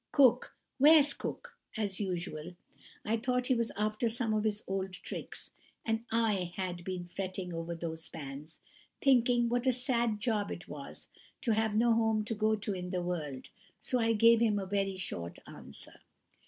Cook! Where's Cook?' as usual. I thought he was after some of his old tricks, and I had been fretting over those pans, thinking what a sad job it was to have no home to go to in the world, so I gave him a very short answer.